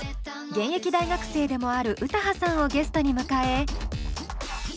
現役大学生でもある詩羽さんをゲストに迎え。